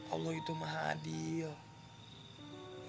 allah itu maha adil